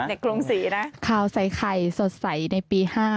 เภรร้าใจใครสดใสในปีห้า